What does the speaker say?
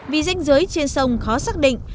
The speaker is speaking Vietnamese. vì danh giới trên sông khó xác định